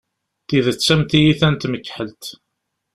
Tidet am tyita n tmekḥelt.